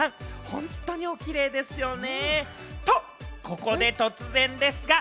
本当におキレイですよね。